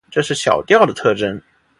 这是小调的特征。